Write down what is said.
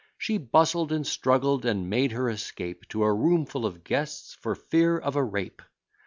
She bustled, and struggled, and made her escape To a room full of guests, for fear of a rape.